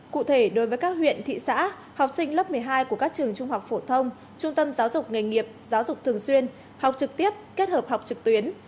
cụ thể đối với các huyện thị xã học sinh lớp một mươi hai của các trường trung học phổ thông trung tâm giáo dục nghề nghiệp giáo dục thường xuyên học trực tiếp kết hợp học trực tuyến